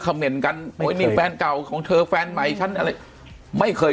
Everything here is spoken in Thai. เมนต์กันนี่แฟนเก่าของเธอแฟนใหม่ฉันอะไรไม่เคย